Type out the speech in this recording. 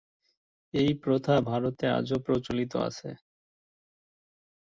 এই প্রথা ভারতে আজও প্রচলিত আছে।